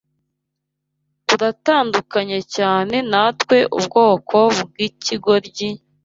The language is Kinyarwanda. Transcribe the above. Turatandukanye cyane natwe ubwoko bwikigoryi,